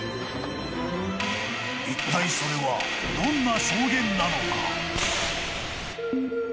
［いったいそれはどんな証言なのか？］